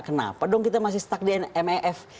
kenapa dong kita masih stuck di mef